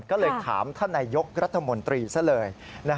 ก็เลยถามท่านนายยกรัฐมนตรีซะเลย